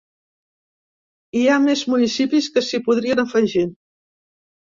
Hi ha més municipis que s’hi podrien afegir.